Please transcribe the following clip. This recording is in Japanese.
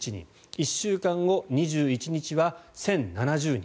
１週間後、２１日は１０７０人。